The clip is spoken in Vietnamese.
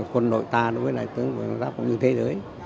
quân đội ta đối với đại tướng võ nguyên giáp cũng như thế giới